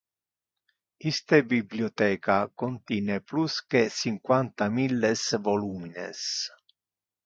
Iste bibliotheca contine plus de cinquanta milles volumines.